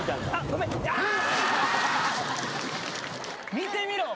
見てみろ！